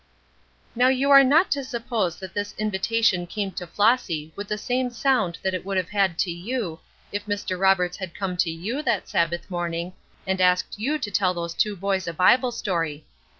Now you are not to suppose that this invitation came to Flossy with the same sound that it would have had to you, if Mr. Roberts had come to you that Sabbath morning and asked you to tell those two boys a Bible story.